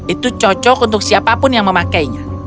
itu cocok untuk siapapun yang memakainya